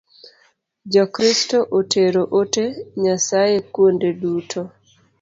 Jo Kristo otero ote Nyasaye kuonde duto